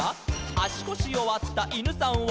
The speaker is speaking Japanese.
「あしこしよわったいぬさんを」